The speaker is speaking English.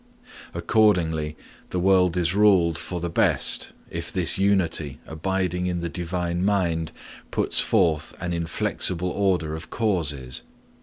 Accordingly, the world is ruled for the best if this unity abiding in the Divine mind puts forth an inflexible order of causes.